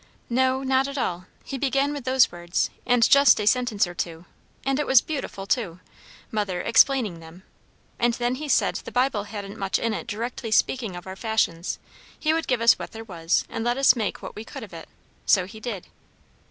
"No, not at all. He began with those words, and just a sentence or two and it was beautiful, too, mother explaining them; and then he said the Bible hadn't much in it directly speaking of our fashions; he would give us what there was, and let us make what we could of it; so he did."